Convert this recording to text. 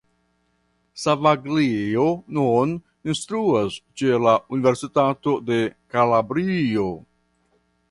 Savaglio nun instruas ĉe la Universitato de Kalabrio.